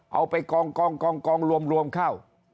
เอาไปกองรวมเข้า